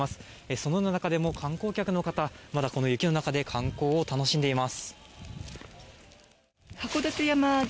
その中でも観光客の方まだこの雪の中で観光を楽しんでいます。